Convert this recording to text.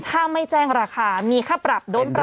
ถ้าไม่แจ้งราคามีค่าปรับโดนปรับ